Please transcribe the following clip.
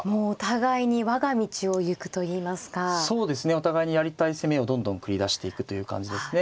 お互いにやりたい攻めをどんどん繰り出していくという感じですね。